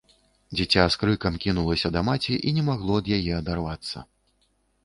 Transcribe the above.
Дзіця з крыкам кінулася да маці і не магло ад яе адарвацца.